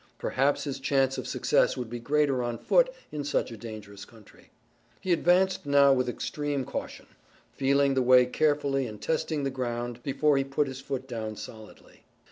Perhaps his chance of success would be greater on foot in such a dangerous country. He advanced now with extreme caution, feeling the way carefully and testing the ground before he put his foot down solidly.